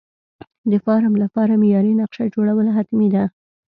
د فارم لپاره معیاري نقشه جوړول حتمي ده.